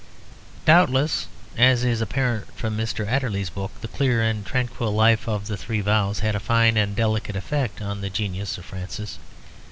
Doubtless, as is apparent from Mr. Adderley's book, the clear and tranquil life of the Three Vows had a fine and delicate effect on the genius of Francis.